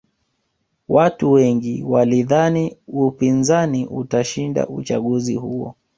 watu wengi walidhani upinzani utashinda uchaguzi huo